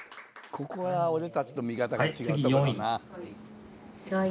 ここは俺たちと見方が違うとこだな。